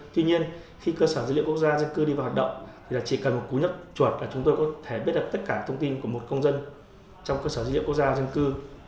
tuy nhiên khi cơ sở dữ liệu quốc gia dân cư đi vào hoạt động thì chỉ cần một cú nhấp chuột là chúng tôi có thể biết được tất cả thông tin của một công dân trong cơ sở dữ liệu quốc gia dân cư